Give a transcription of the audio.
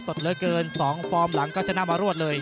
สดเหลือเกิน๒ฟอร์มหลังก็ชนะมารวดเลย